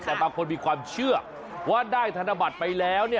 แต่บางคนมีความเชื่อว่าได้ธนบัตรไปแล้ว